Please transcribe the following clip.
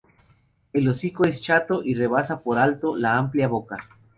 El hocico es chato y rebasa por lo alto la amplia boca.